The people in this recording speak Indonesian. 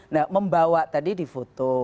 nah membawa tadi di foto